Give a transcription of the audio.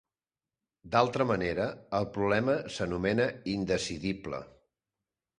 D'altra manera, el problema s'anomena indecidible.